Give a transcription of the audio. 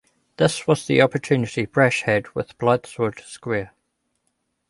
This was the opportunity Brash had with Blythswood Square.